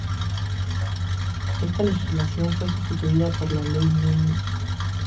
Esta legislación fue sustituida por la Ley Núm.